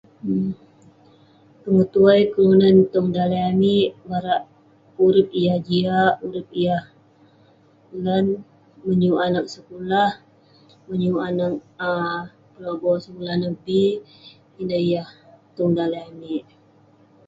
Pengetuai kelunan tong daleh amik barak urip yah jiak, barak urip yah kan. Menyuk anag sekulah, menyuk anag um pelobo sekulah neh bi. Ineh yah tong daleh amik.